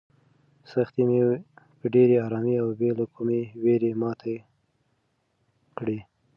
سختۍ مې په ډېرې ارامۍ او بې له کومې وېرې ماتې کړې.